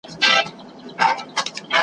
اوس د هغه محفل په شپو کي پېریانان اوسېږي .